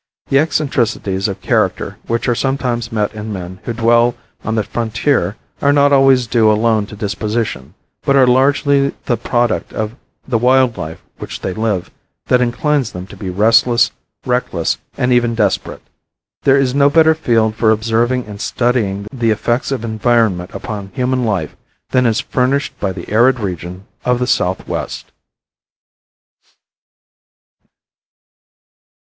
The eccentricities of character which are sometimes met in men who dwell on the frontier are not always due alone to disposition, but are largely the product of the wild life which they live, that inclines them to be restless, reckless and even desperate. There is no better field for observing and studying the effects of environment upon human life than is furnished by the arid region of the southwest.